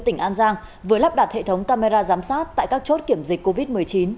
tỉnh an giang vừa lắp đặt hệ thống camera giám sát tại các chốt kiểm dịch covid một mươi chín